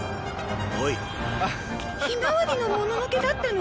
ひまわりのもののけだったの？